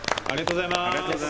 ありがとうございます。